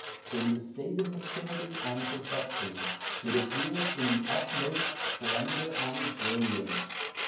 In the state of maturity and perfection it appears in the utmost splendour and brilliance.